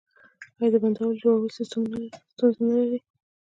آیا د بندونو جوړول ستونزې نلري؟